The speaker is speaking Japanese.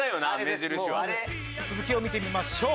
続きを見てみましょう。